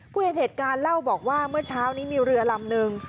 เห็นเหตุการณ์เล่าบอกว่าเมื่อเช้านี้มีเรือลำนึง